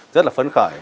rất là phấn khởi